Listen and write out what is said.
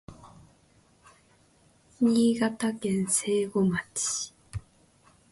新潟県聖籠町